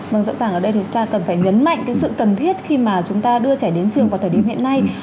vâng rõ ràng ở đây thì chúng ta cần phải nhấn mạnh cái sự cần thiết khi mà chúng ta đưa trẻ đến trường vào thời điểm hiện nay